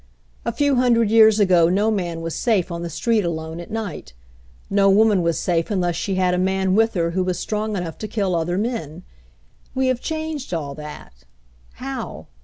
"A few hundred years ago no man was safe on the street alone at night. No woman was safe unless she had a man with her who was strong enough to kill other men. We have changed all that. How?